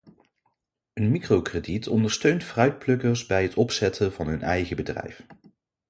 Een microkrediet ondersteunt fruitplukkers bij het opzetten van hun eigen bedrijf.